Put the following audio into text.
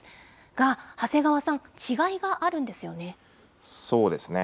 が、長谷川さん、違いがあるんですよね。